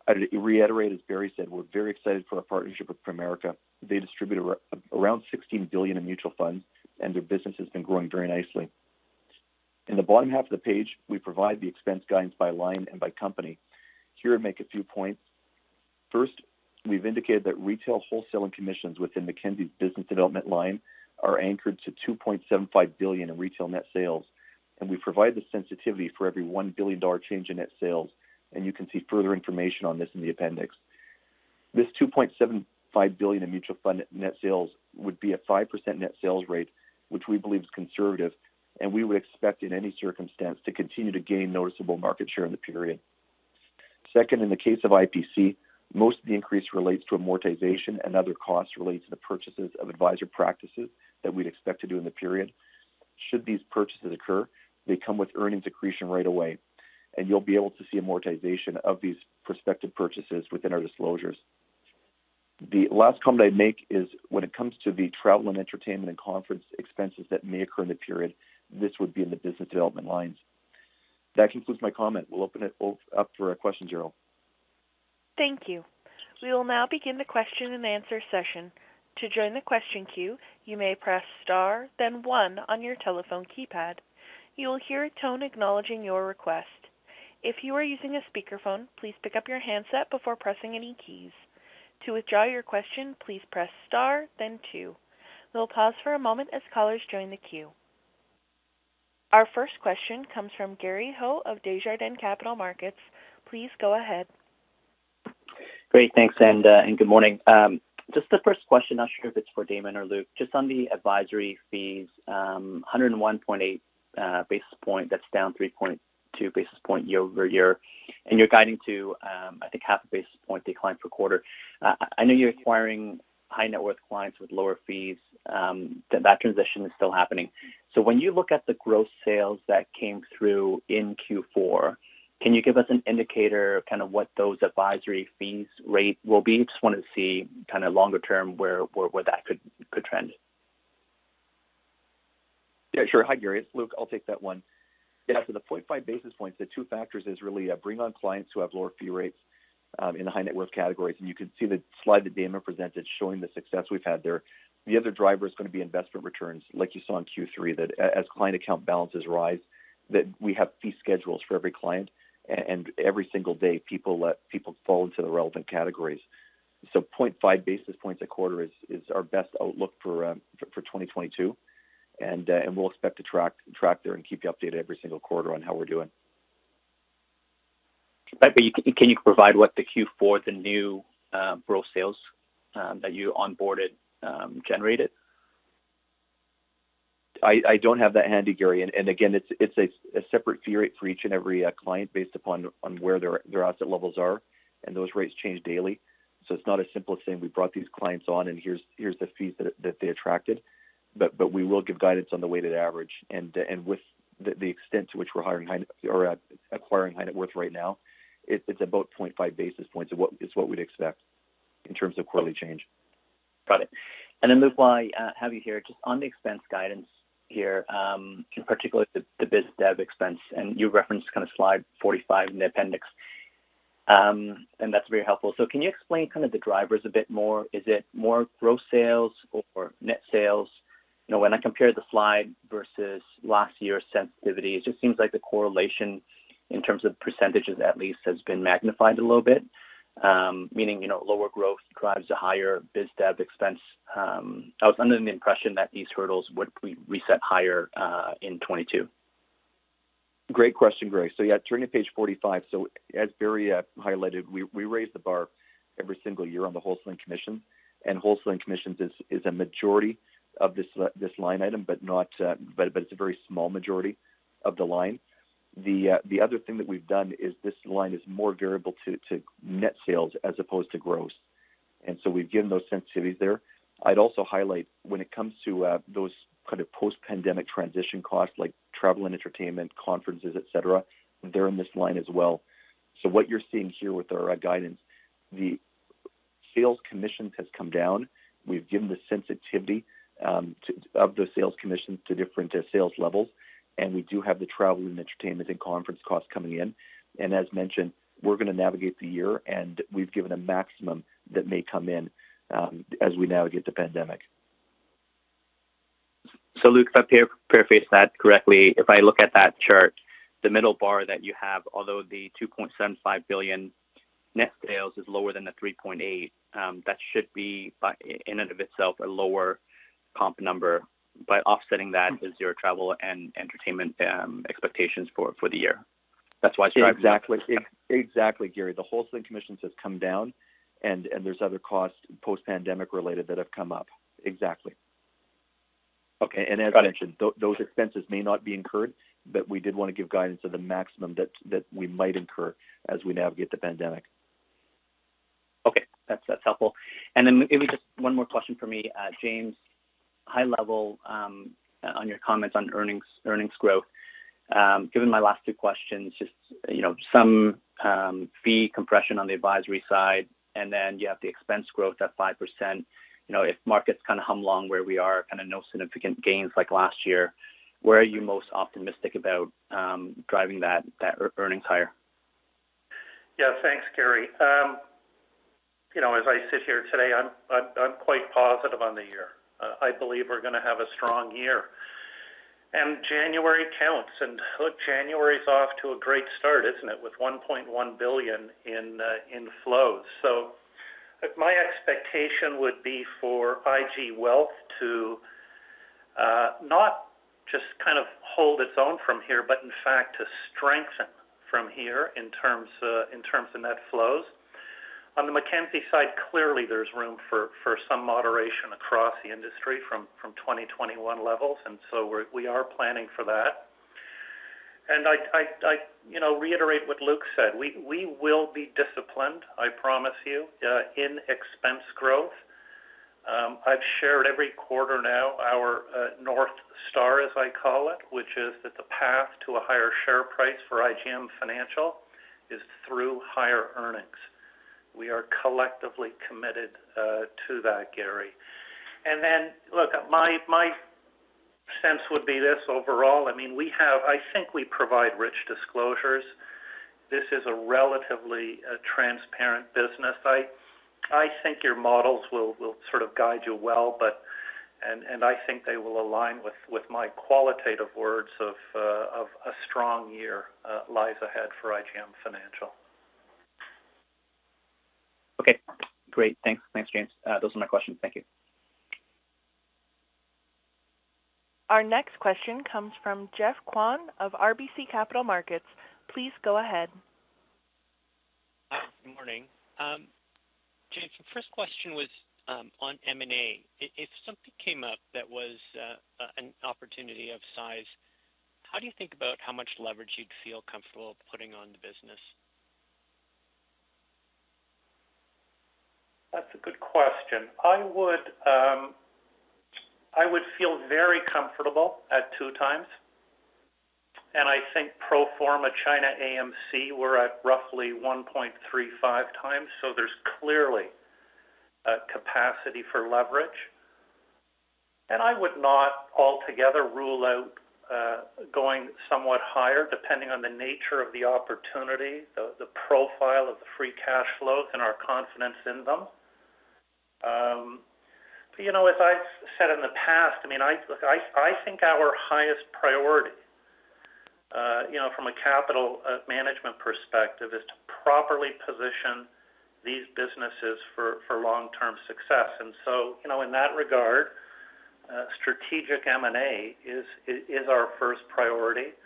I'd reiterate, as Barry said, we're very excited for our partnership with Primerica. They distribute around $16 billion in mutual funds, and their business has been growing very nicely. In the bottom half of the page, we provide the expense guidance by line and by company. Here I make a few points. First, we've indicated that retail, wholesale, and commissions within Mackenzie's business development line are anchored to 2.75 billion in retail net sales, and we provide the sensitivity for every 1 billion dollar change in net sales, and you can see further information on this in the appendix. This 2.75 billion in mutual fund net sales would be a 5% net sales rate, which we believe is conservative, and we would expect in any circumstance to continue to gain noticeable market share in the period. Second, in the case of IPC, most of the increase relates to amortization and other costs related to the purchases of advisor practices that we'd expect to do in the period. Should these purchases occur, they come with earnings accretion right away, and you'll be able to see amortization of these prospective purchases within our disclosures. The last comment I'd make is when it comes to the travel and entertainment and conference expenses that may occur in the period, this would be in the business development lines. That concludes my comment. We'll open it up for questions, now. Thank you. We will now begin the question and answer session. To join the question queue, you may press star then one on your telephone keypad. You will hear a tone acknowledging your request. If you are using a speakerphone, please pick up your handset before pressing any keys. To withdraw your question, please press star then two. We'll pause for a moment as callers join the queue. Our first question comes from Gary Ho of Desjardins Capital Markets. Please go ahead. Great. Thanks and good morning. Just the first question, not sure if it's for Damon or Luke. Just on the advisory fees, 101.8 basis point, that's down 3.2 basis point year-over-year. You're guiding to, I think half a basis point decline per quarter. I know you're acquiring high net worth clients with lower fees, that transition is still happening. When you look at the gross sales that came through in Q4, can you give us an indicator kind of what those advisory fees rate will be? Just wanted to see kind of longer term where that could trend. Yeah, sure. Hi, Gary. It's Luke. I'll take that one. Yeah, so the 0.5 basis points, the two factors is really bring on clients who have lower fee rates in the high net worth categories. You can see the slide that Damon presented showing the success we've had there. The other driver is going to be investment returns, like you saw in Q3, that as client account balances rise, that we have fee schedules for every client. Every single day, people fall into the relevant categories. 0.5 basis points a quarter is our best outlook for 2022. We'll expect to track there and keep you updated every single quarter on how we're doing. Can you provide what the Q4, the new, gross sales, that you onboarded, generated? I don't have that handy, Gary. Again, it's a separate fee rate for each and every client based upon where their asset levels are, and those rates change daily. It's not as simple as saying we brought these clients on, and here's the fees that they attracted. We will give guidance on the weighted average. With the extent to which we're acquiring high net worth right now, it's about 0.5 basis points is what we'd expect in terms of quarterly change. Got it. Then Luke, while I have you here, just on the expense guidance here, in particular the biz dev expense, and you referenced kind of Slide 45 in the appendix. That's very helpful. Can you explain kind of the drivers a bit more? Is it more gross sales or net sales? You know, when I compare the slide versus last year's sensitivity, it just seems like the correlation in terms of percentages at least has been magnified a little bit. Meaning, you know, lower growth drives a higher biz dev expense. I was under the impression that these hurdles would re-reset higher in 2022. Great question, Gary Ho. Yeah, turning to page 45. As Barry McInerney highlighted, we raise the bar every single year on the wholesale and commission. Wholesale and commissions is a majority of this line item, but it's a very small majority of the line. The other thing that we've done is this line is more variable to net sales as opposed to gross. We've given those sensitivities there. I'd also highlight when it comes to those kind of post-pandemic transition costs like travel and entertainment, conferences, et cetera, they're in this line as well. What you're seeing here with our guidance, the sales commissions has come down. We've given the sensitivity of those sales commissions to different sales levels. We do have the travel and entertainment and conference costs coming in. As mentioned, we're going to navigate the year, and we've given a maximum that may come in, as we navigate the pandemic. Luke, if I preface that correctly, if I look at that chart, the middle bar that you have, although the 2.75 billion net sales is lower than the 3.8 billion, that should be by in and of itself a lower comp number by offsetting that with zero travel and entertainment expectations for the year. That's why. Exactly. Exactly, Gary. The wholesaling commissions has come down and there's other costs post-pandemic related that have come up. Exactly. Okay. As I mentioned. Got it. Those expenses may not be incurred, but we did want to give guidance to the maximum that we might incur as we navigate the pandemic. Okay. That's helpful. Maybe just one more question for me. James, high level, on your comments on earnings growth. Given my last two questions, just, you know, some fee compression on the advisory side, and then you have the expense growth at 5%. You know, if markets kind of hum along where we are, kind of no significant gains like last year, where are you most optimistic about driving that earnings higher? Yeah. Thanks, Gary. You know, as I sit here today, I'm quite positive on the year. I believe we're gonna have a strong year. January counts. Look, January's off to a great start, isn't it? With 1.1 billion in flows. My expectation would be for IG Wealth to not just kind of hold its own from here, but in fact to strengthen from here in terms of net flows. On the Mackenzie side, clearly there's room for some moderation across the industry from 2021 levels, and we're planning for that. I you know, reiterate what Luke said, we will be disciplined, I promise you, in expense growth. I've shared every quarter now our North Star, as I call it, which is that the path to a higher share price for IGM Financial is through higher earnings. We are collectively committed to that, Gary. Then look, my sense would be this overall. I mean, I think we provide rich disclosures. This is a relatively transparent business. I think your models will sort of guide you well, but I think they will align with my qualitative words of a strong year lies ahead for IGM Financial. Okay. Great. Thanks. Thanks, James. Those are my questions. Thank you. Our next question comes from Geoffrey Kwan of RBC Capital Markets. Please go ahead. Hi. Good morning. James, the first question was on M&A. If something came up that was an opportunity of size, how do you think about how much leverage you'd feel comfortable putting on the business? That's a good question. I would feel very comfortable at 2x. I think pro forma China AMC were at roughly 1.35x, so there's clearly a capacity for leverage. I would not altogether rule out going somewhat higher depending on the nature of the opportunity, the profile of the free cash flows and our confidence in them. But you know, as I said in the past, I mean, look, I think our highest priority, you know, from a capital management perspective, is to properly position these businesses for long-term success. You know, in that regard, strategic M&A is our first priority.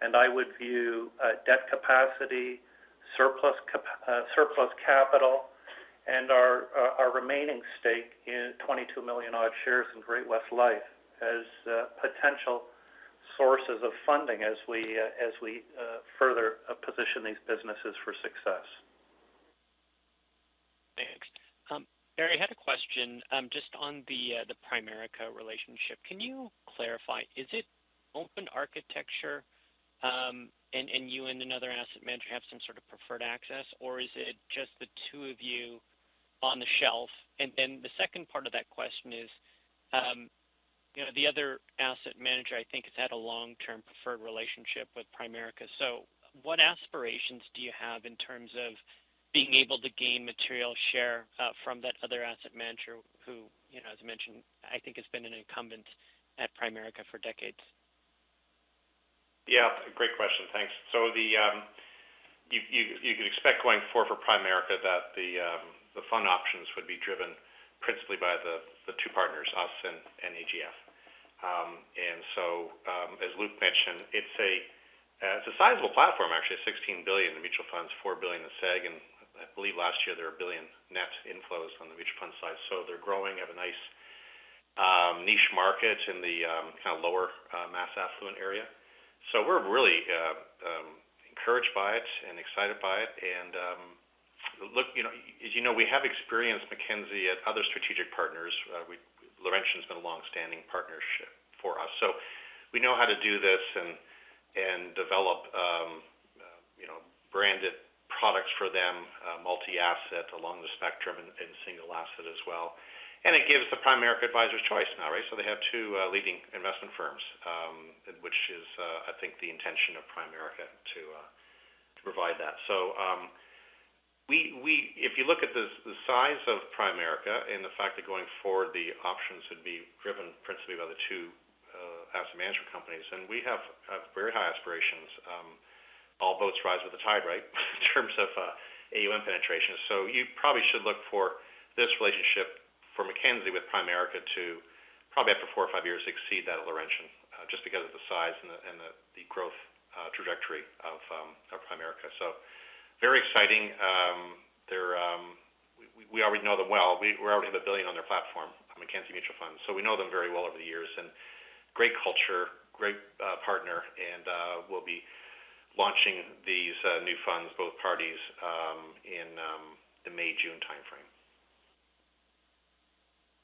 I would view debt capacity, surplus capital and our remaining stake in 22 million-odd shares in Great-West Lifeco as potential sources of funding as we further position these businesses for success. Thanks. Barry, I had a question, just on the Primerica relationship. Can you clarify, is it open architecture, and you and another asset manager have some sort of preferred access or is it just the two of you on the shelf? The second part of that question is, you know, the other asset manager I think has had a long-term preferred relationship with Primerica. What aspirations do you have in terms of being able to gain material share, from that other asset manager who, you know, as you mentioned, I think has been an incumbent at Primerica for decades? Yeah, great question. Thanks. You could expect going forward for Primerica that the fund options would be driven principally by the two partners, us and AGF. As Luke mentioned, it's a sizable platform actually, 16 billion in mutual funds, 4 billion in seg. I believe last year there were 1 billion net inflows on the mutual fund side. They're growing, have a nice niche market in the kind of lower mass affluent area. We're really encouraged by it and excited by it. Look, you know, as you know, we have experienced Mackenzie at other strategic partners. Laurentian's been a long-standing partnership for us. We know how to do this and develop, you know, branded products for them, multi-asset along the spectrum and single asset as well. It gives the Primerica advisors choice now, right? They have two leading investment firms, I think the intention of Primerica to provide that. If you look at the size of Primerica and the fact that going forward, the options would be driven principally by the two asset management companies, and we have very high aspirations. All boats rise with the tide, right? In terms of AUM penetration. You probably should look for this relationship for Mackenzie with Primerica to probably after four or five years exceed that of Laurentian, just because of the size and the growth trajectory of Primerica. Very exciting. We already know them well. We already have 1 billion on their platform, on Mackenzie Mutual Funds. We know them very well over the years and great culture, great partner, and we'll be launching these new funds, both parties, in the May-June timeframe.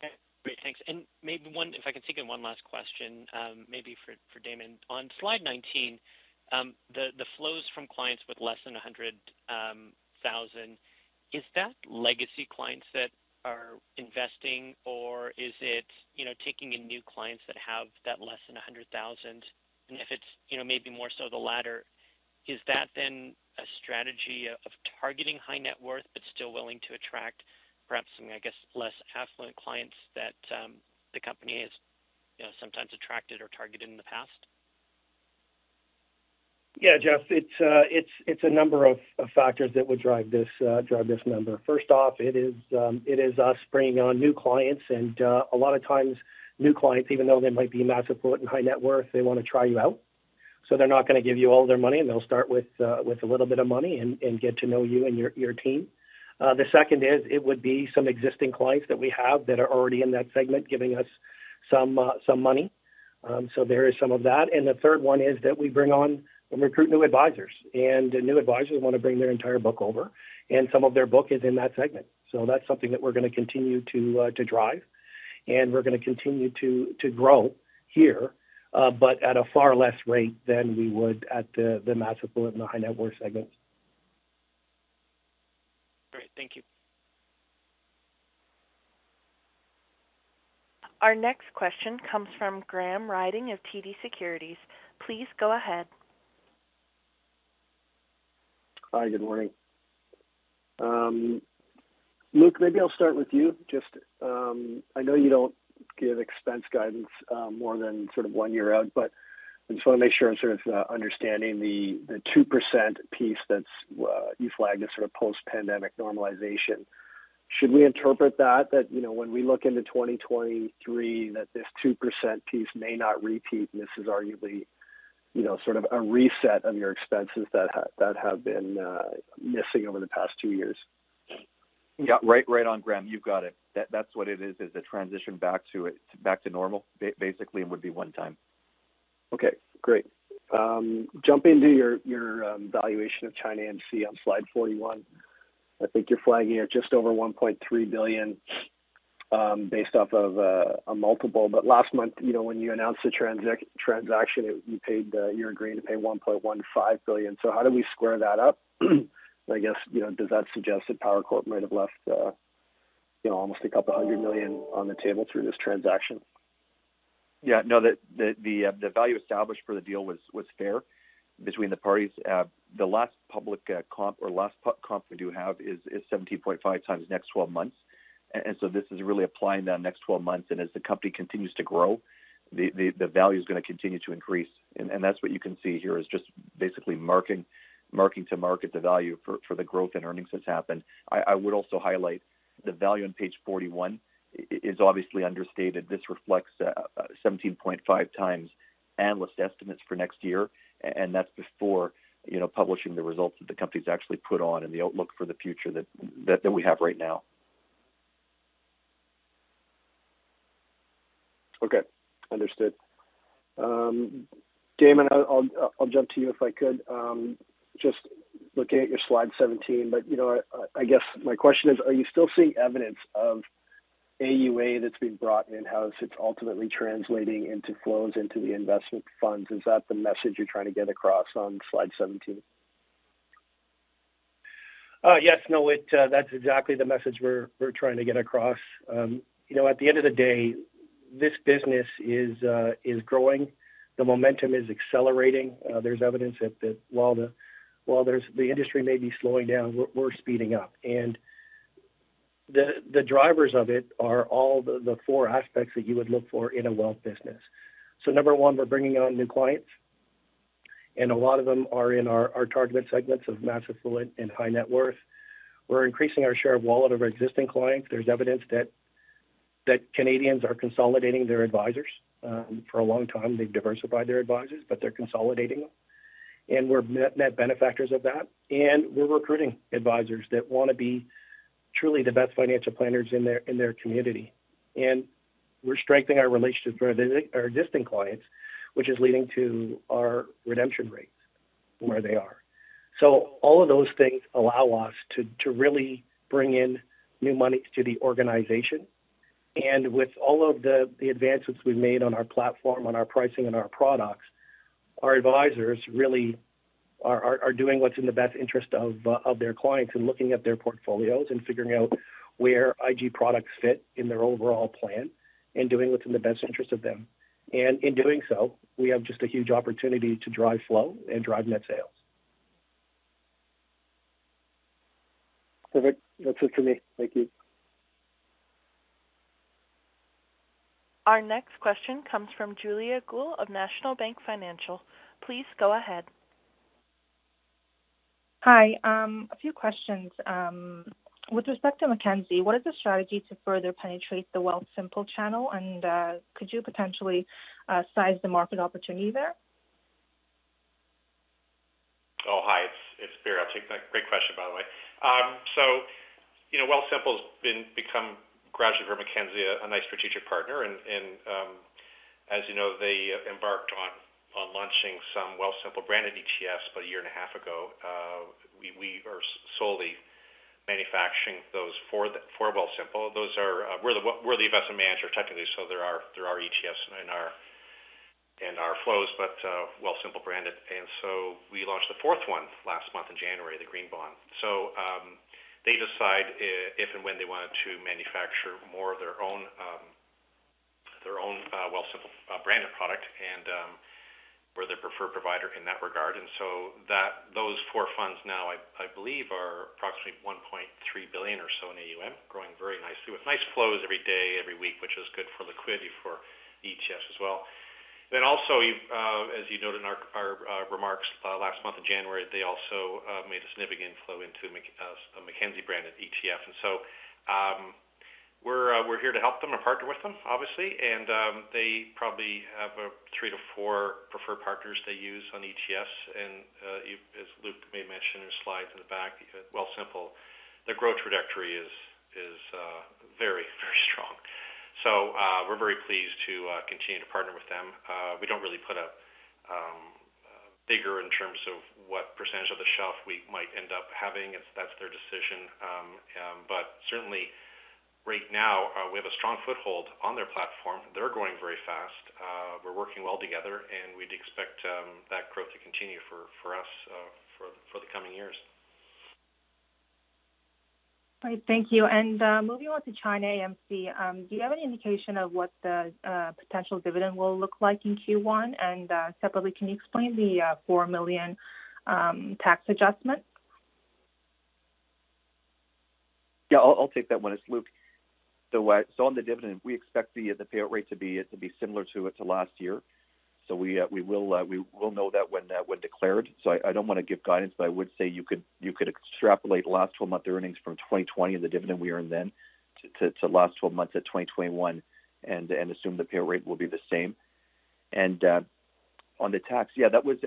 Okay. Great. Thanks. Maybe if I can sneak in one last question, maybe for Damon. On Slide 19, the flows from clients with less than $100,000, is that legacy clients that are investing or is it, you know, taking in new clients that have less than $100,000? And if it's, you know, maybe more so the latter, is that then a strategy of targeting high net worth but still willing to attract perhaps some, I guess, less affluent clients that the company has, you know, sometimes attracted or targeted in the past? Yeah, Geoff, it's a number of factors that would drive this number. First off, it is us bringing on new clients, and a lot of times new clients, even though they might be mass affluent and high net worth, they wanna try you out. They're not gonna give you all their money, and they'll start with a little bit of money and get to know you and your team. The second is it would be some existing clients that we have that are already in that segment giving us some money. There is some of that. The third one is that we bring on and recruit new advisors. New advisors want to bring their entire book over, and some of their book is in that segment. That's something that we're gonna continue to drive, and we're gonna continue to grow here, but at a far less rate than we would at the mass affluent and the high net worth segments. Great. Thank you. Our next question comes from Graham Ryding of TD Securities. Please go ahead. Hi, good morning. Luke, maybe I'll start with you. Just, I know you don't give expense guidance, more than sort of one year out, but I just want to make sure I'm sort of understanding the 2% piece that's you flagged as sort of post-pandemic normalization. Should we interpret that you know, when we look into 2023, that this 2% piece may not repeat, and this is arguably you know, sort of a reset of your expenses that have been missing over the past two years? Yeah. Right, right on, Graham. You've got it. That's what it is a transition back to it, back to normal basically, and would be one time. Okay, great. Jumping to your valuation of ChinaAMC on Slide 41. I think you're flagging it just over 1.3 billion based off of a multiple. Last month, when you announced the transaction, you're agreeing to pay 1.15 billion. How do we square that up? I guess does that suggest that Power Corp might have left almost a couple hundred million on the table through this transaction? Yeah. No. The value established for the deal was fair between the parties. The last public comp or last pub comp we do have is 17.5x next 12 months. This is really applying that next twelve months. As the company continues to grow, the value is gonna continue to increase. That's what you can see here, is just basically marking to market the value for the growth and earnings that's happened. I would also highlight the value on page 41 is obviously understated. This reflects 17.5x analyst estimates for next year, and that's before, you know, publishing the results that the company's actually put on and the outlook for the future that we have right now. Okay. Understood. Damon, I'll jump to you if I could. Just looking at your Slide 17, but, you know, I guess my question is, are you still seeing evidence of AUA that's been brought in-house, it's ultimately translating into flows into the investment funds? Is that the message you're trying to get across on Slide 17? Yes, no, it, that's exactly the message we're trying to get across. You know, at the end of the day, this business is growing. The momentum is accelerating. There's evidence that while the industry may be slowing down, we're speeding up. The drivers of it are all the four aspects that you would look for in a wealth business. Number one, we're bringing on new clients, and a lot of them are in our targeted segments of mass affluent and high net worth. We're increasing our share of wallet of our existing clients. There's evidence that Canadians are consolidating their advisors. For a long time, they've diversified their advisors, but they're consolidating them. We're net benefactors of that. We're recruiting advisors that want to be truly the best financial planners in their community. We're strengthening our relationships with our existing clients, which is leading to our redemption rates where they are. All of those things allow us to really bring in new money to the organization. With all of the advancements we've made on our platform, on our pricing and our products, our advisors really They are doing what's in the best interest of their clients and looking at their portfolios and figuring out where IG products fit in their overall plan and doing what's in the best interest of them. In doing so, we have just a huge opportunity to drive flow and drive net sales. Perfect. That's it for me. Thank you. Our next question comes from Juliah Gul of National Bank Financial. Please go ahead. Hi. A few questions. With respect to Mackenzie, what is the strategy to further penetrate the Wealthsimple channel, and could you potentially size the market opportunity there? Oh, hi. It's Barry. I'll take that. Great question, by the way. You know, Wealthsimple's become gradually for Mackenzie a nice strategic partner. As you know, they embarked on launching some Wealthsimple-branded ETFs about a 1.5 year ago. We are solely manufacturing those for Wealthsimple. Those are, we're the investment manager technically, so they're our ETFs and our flows, but Wealthsimple branded. We launched the fourth one last month in January, the green bond. They decide if and when they wanted to manufacture more of their own, their own Wealthsimple branded product and, we're their preferred provider in that regard. Those four funds now I believe are approximately 1.3 billion or so in AUM, growing very nicely with nice flows every day, every week, which is good for liquidity for ETFs as well. Also, as you noted in our remarks last month in January, they also made a significant flow into a Mackenzie-branded ETF. We're here to help them and partner with them, obviously. They probably have three to four preferred partners they use on ETFs. As Luke may mention in his slides in the back, Wealthsimple's growth trajectory is very strong. We're very pleased to continue to partner with them. We don't really put a figure in terms of what percentage of the shelf we might end up having. That's their decision. Certainly right now, we have a strong foothold on their platform. They're growing very fast. We're working well together, and we'd expect that growth to continue for us for the coming years. All right. Thank you. Moving on to China AMC, do you have any indication of what the potential dividend will look like in Q1? Separately, can you explain the 4 million tax adjustment? Yeah. I'll take that one. It's Luke. On the dividend, we expect the payout rate to be similar to last year. We will know that when declared. I don't wanna give guidance, but I would say you could extrapolate last 12-month earnings from 2020 and the dividend we earned then to last 12 months at 2021 and assume the payout rate will be the same. On the tax, yeah, that was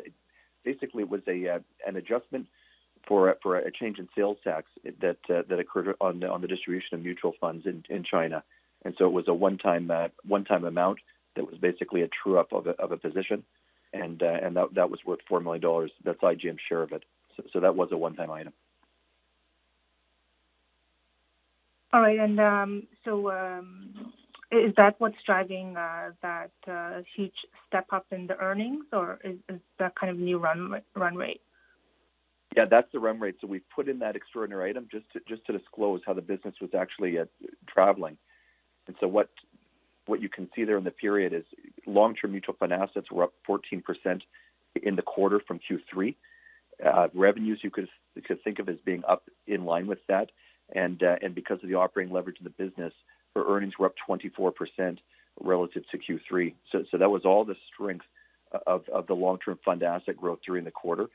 basically an adjustment for a change in sales tax that occurred on the distribution of mutual funds in China. It was a one-time amount that was basically a true-up of a position. that was worth 4 million dollars. That's IGIM's share of it. that was a one-time item. All right. Is that what's driving that huge step-up in the earnings, or is that kind of new run rate? Yeah, that's the run rate. We've put in that extraordinary item just to disclose how the business was actually traveling. What you can see there in the period is long-term mutual fund assets were up 14% in the quarter from Q3. Revenues you could think of as being up in line with that. Because of the operating leverage in the business, our earnings were up 24% relative to Q3. That was all the strength of the long-term fund asset growth during the quarter.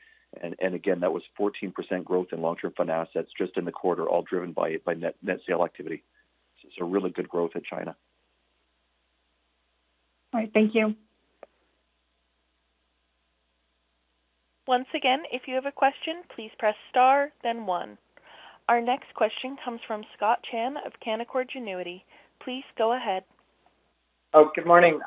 Again, that was 14% growth in long-term fund assets just in the quarter, all driven by net sale activity. It's a really good growth in China. All right. Thank you. Once again, if you have a question, please press star then one. Our next question comes from Scott Chan of Canaccord Genuity. Please go ahead. Oh, good morning.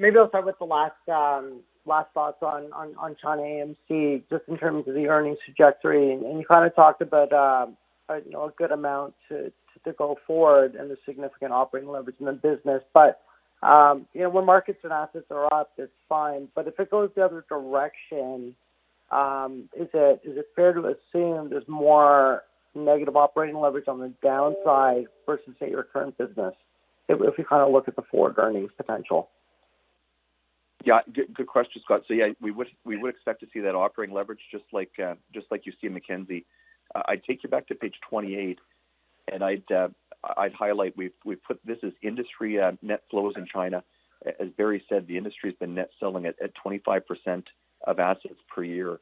Maybe I'll start with the last thoughts on China AMC, just in terms of the earnings trajectory. You kind of talked about you know, a good amount to go forward and the significant operating leverage in the business. You know, when markets and assets are up, that's fine. If it goes the other direction, is it fair to assume there's more negative operating leverage on the downside versus, say, your current business if you kind of look at the forward earnings potential? Yeah. Good question, Scott. Yeah, we would expect to see that operating leverage just like you see in Mackenzie. I'd take you back to page 28, and I'd highlight we've put this is industry net flows in China. As Barry said, the industry's been net selling at 25% of assets per year.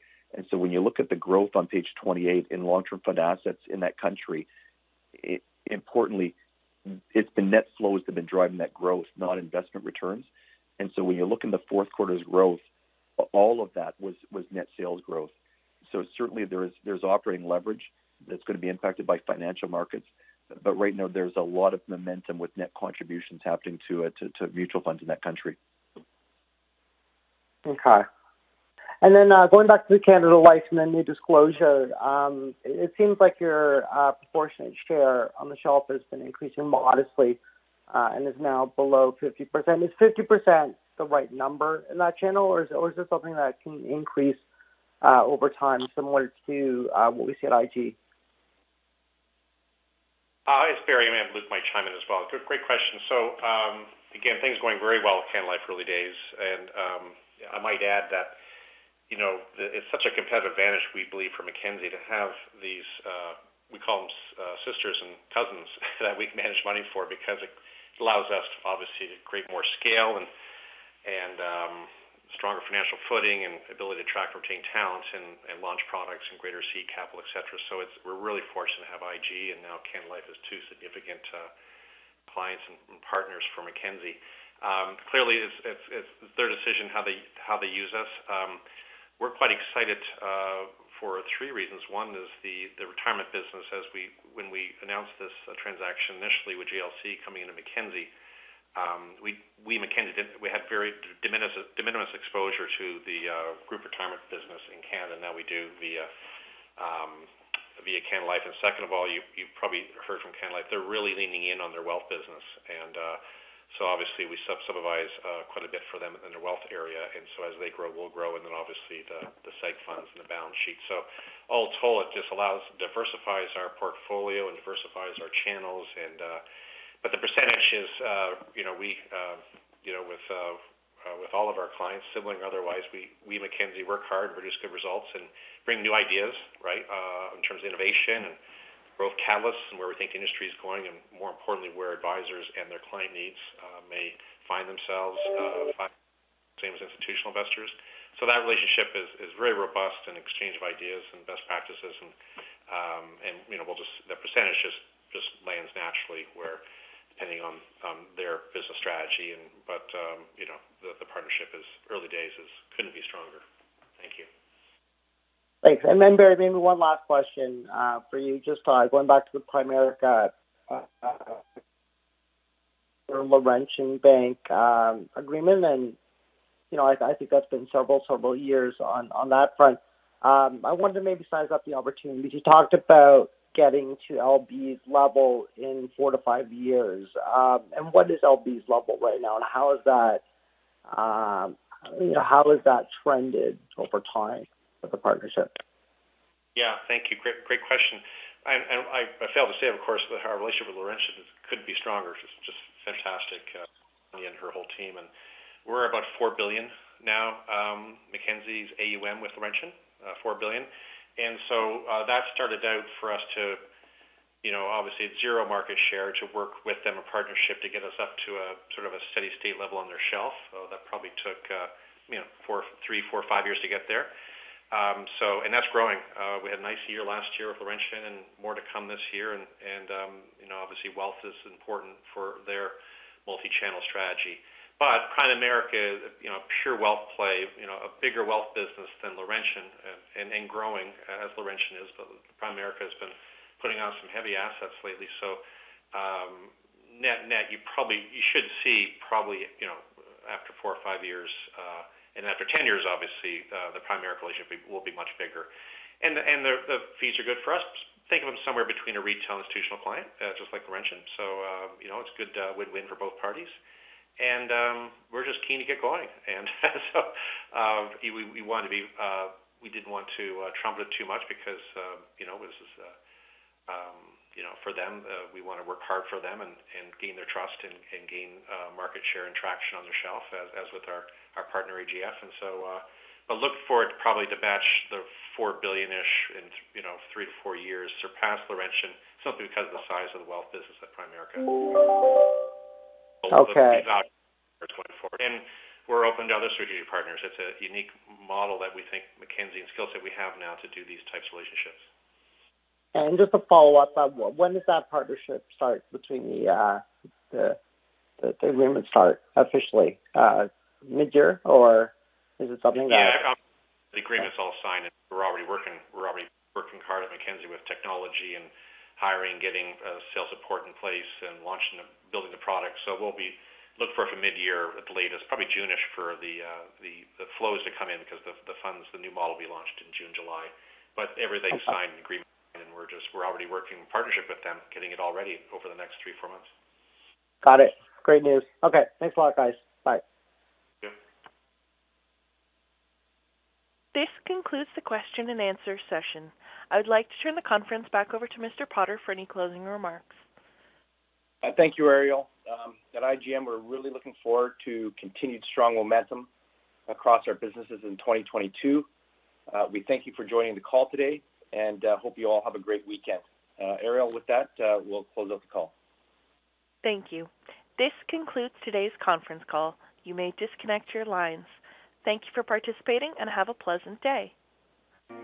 When you look at the growth on page 28 in long-term fund assets in that country, importantly, it's the net flows that have been driving that growth, not investment returns. When you look in the fourth quarter's growth, all of that was net sales growth. Certainly there is operating leverage that's gonna be impacted by financial markets. Right now there's a lot of momentum with net contributions happening to mutual funds in that country. Okay. Going back to the Canada Life and then the disclosure, it seems like your proportionate share on the shelf has been increasing modestly, and is now below 50%. Is 50% the right number in that channel, or is this something that can increase over time similar to what we see at IG? It's Barry. I mean, Luke might chime in as well. Good, great question. Again, things going very well at Canada Life early days. I might add that, you know, it's such a competitive advantage, we believe for Mackenzie to have these, we call them sisters and cousins that we can manage money for because it allows us obviously to create more scale and stronger financial footing and ability to attract, retain talent and launch products and greater access to capital, etc. We're really fortunate to have IG and now Canada Life as two significant clients and partners for Mackenzie. Clearly, it's their decision how they use us. We're quite excited for three reasons. One is the retirement business when we announced this transaction initially with GLC coming into Mackenzie. We Mackenzie had very de minimis exposure to the group retirement business in Canada. Now we do via Canada Life. Second of all, you probably heard from Canada Life. They're really leaning in on their wealth business. So obviously we subadvise quite a bit for them in the wealth area. So as they grow, we'll grow, and then obviously the seg funds and the balance sheet. All total, it just diversifies our portfolio and diversifies our channels. The percentage is, you know, with all of our clients, sibling or otherwise, we Mackenzie work hard, produce good results, and bring new ideas, right, in terms of innovation and growth catalysts and where we think industry is going, and more importantly, where advisors and their client needs may find themselves, same as institutional investors. That relationship is very robust in exchange of ideas and best practices. You know, the percentage just lands naturally where depending on their business strategy. You know, the partnership is early days. It couldn't be stronger. Thank you. Thanks. Barry, maybe one last question for you. Just going back to the Primerica, Laurentian Bank agreement. You know, I think that's been several years on that front. I wonder maybe size up the opportunity. You talked about getting to LB's level in four to five years. What is LB's level right now, and how is that, you know, how has that trended over time with the partnership? Yeah, thank you. Great question. I failed to say, of course, but our relationship with Laurentian couldn't be stronger. It's just fantastic, me and our whole team. We're about 4 billion now, Mackenzie's AUM with Laurentian, 4 billion. That started out for us to, you know, obviously 0% market share to work with them a partnership to get us up to a sort of a steady state level on their shelf. That probably took, you know, three, four, five years to get there. That's growing. We had a nice year last year with Laurentian and more to come this year. You know, obviously wealth is important for their multi-channel strategy. Primerica, you know, pure wealth play, you know, a bigger wealth business than Laurentian and growing as Laurentian is. Primerica has been putting out some heavy assets lately. Net, you should see probably, you know, after four or five years, and after 10 years, obviously, the Primerica relationship will be much bigger. The fees are good for us. Think of them somewhere between a retail institutional client, just like Laurentian. You know, it's good, win-win for both parties. We're just keen to get going. We want to be, we didn't want to trumpet it too much because, you know, this is. You know, for them, we want to work hard for them and gain their trust and gain market share and traction on their shelf as with our partner AGF. Look for it probably to match the 4 billion-ish in, you know, three to four years, surpass Laurentian simply because of the size of the wealth business at Primerica. Okay. It's going forward. We're open to other strategic partners. It's a unique model that we think Mackenzie and skill set we have now to do these types of relationships. Just a follow-up. When does that partnership agreement start officially, midyear or is it something that- Yeah. The agreement's all signed, and we're already working hard at Mackenzie with technology and hiring, getting sales support in place and building the product. We'll be looking for it for midyear at the latest, probably June-ish for the flows to come in because the funds, the new model will be launched in June, July. Everything's signed and agreement, and we're already working in partnership with them, getting it all ready over the next three, four months. Got it. Great news. Okay. Thanks a lot, guys. Bye. Yep. This concludes the question and answer session. I would like to turn the conference back over to Mr. Potter for any closing remarks. Thank you, Ariel. At IGM, we're really looking forward to continued strong momentum across our businesses in 2022. We thank you for joining the call today, and hope you all have a great weekend. Ariel, with that, we'll close out the call. Thank you. This concludes today's conference call. You may disconnect your lines. Thank you for participating, and have a pleasant day.